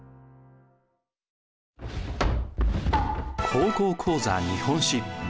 「高校講座日本史」。